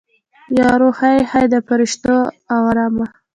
یارو هی هی د فریشتو اورمه